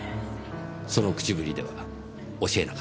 その口ぶりでは教えなかった。